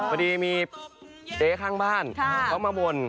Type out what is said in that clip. พอดีมีเจ๊ข้างบ้านเขามาบ่น